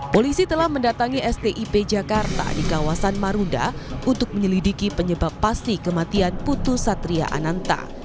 polisi telah mendatangi stip jakarta di kawasan marunda untuk menyelidiki penyebab pasti kematian putu satria ananta